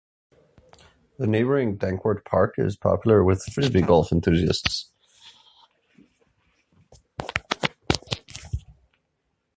The neighboring Dankwardt Park is popular with frisbee-golf enthusiasts.